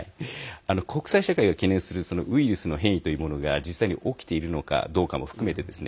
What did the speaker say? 国際社会が懸念するウイルスの変異というものが実際に起きているのかどうかも含めてですね